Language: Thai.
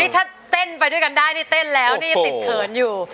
ถ้าเต้นไปด้วยกันได้นี่เต้นแล้วนี่ยังติดเขินอยู่